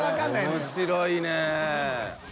茵面白いね。